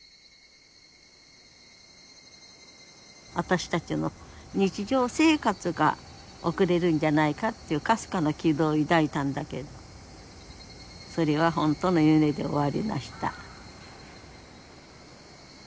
私たちも日常生活が送れるんじゃないかっていうかすかな希望を抱いたんだけどそれはほんとの夢で終わりました。